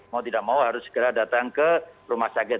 mau tidak mau harus segera datang ke rumah sakit